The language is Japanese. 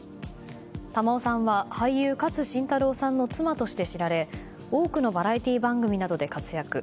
玉緒さんは俳優勝新太郎さんの妻として知られ多くのバラエティー番組などで活躍。